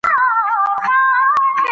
آیا مېلمستیا ته تلل ستاسو لپاره اړین دي؟